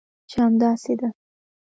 چې همداسې ده؟